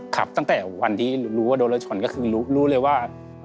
ขับตั้งแต่วันที่รู้ว่าโดนรถชนก็คือรู้เลยว่า